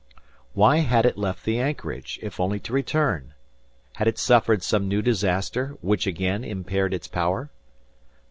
Why had it left the anchorage, if only to return? Had it suffered some new disaster, which again impaired its power?